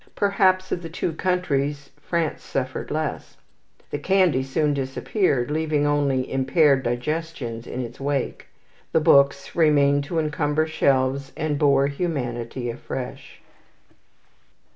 Perhaps, of the two countries, France suffered less. The candy soon disappeared, leaving only impaired digestions in its wake. The books remained to encumber shelves, and bore humanity afresh.